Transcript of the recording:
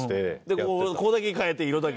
ここだけ変えて色だけ。